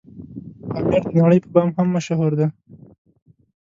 پامير دنړۍ په بام هم مشهور دی